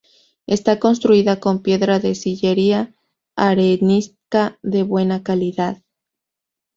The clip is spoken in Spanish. Está construida con piedra de sillería arenisca de buena calidad.